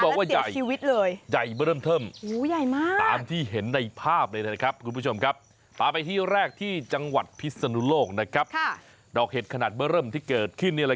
เขามาวัดดูเนี่ย